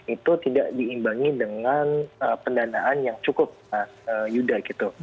itu tidak diimbangi dengan pendanaan yang cukup mas yuda gitu